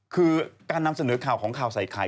คือการนำเสนอข่าวของข่าวใส่ไข่